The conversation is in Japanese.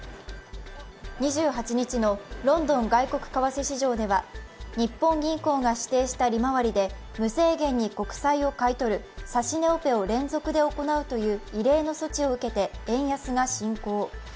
２８日のロンドン外国為替市場では、日本銀行が指定した利回りで無制限に国債を買い取る、指し値オペを連続で行うという異例の措置を受けて円安が進行。